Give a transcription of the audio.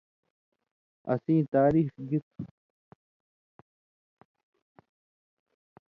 اسیں تاریخ گی تُھو: